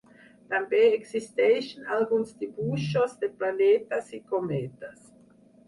També existeixen alguns dibuixos de planetes i cometes.